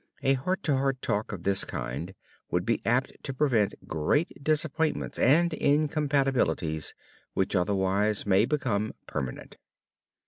A heart to heart talk of this kind would be apt to prevent great disappointments and incompatibilities which otherwise may become permanent.